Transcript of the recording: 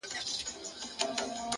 ساده ژوند ژوره خوښي لري